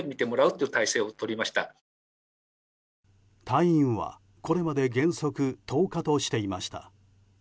退院は、これまで原則１０日としていました。